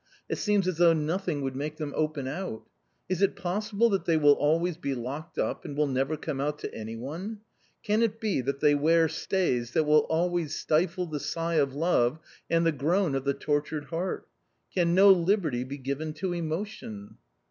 It seems as though nothing would make them open out Is it possible that they will always be locked up and will never come out to any one ? Can it be that they wear stays that will always stifle the sigh of love and the groan of the tortured heart ? Can no liberty be given to emotion